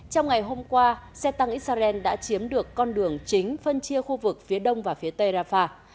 trong ngày hôm qua xe tăng israel đã chiếm được con đường chính phân chia khu vực phía đông và phía tây rafah